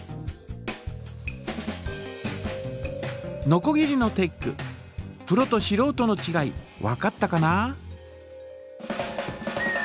のこぎりのテックプロとしろうとのちがいわかったかな？